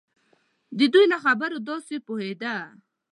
د دوی له خبرو داسې پوهېده.